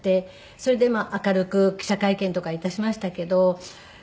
それで明るく記者会見とか致しましたけど。